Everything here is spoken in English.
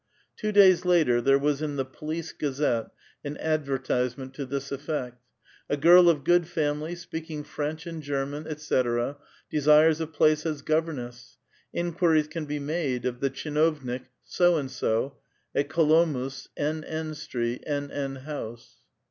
CD Two days later, there was in the "Police Gazette" an advertisement to this effect : "A girl of good family, speak^ ing Freneh and German, etc., desires a place as governess ; infjuiries can be made of the ichiuovnik So and So at Kolomna, >iIn. street, NN. house."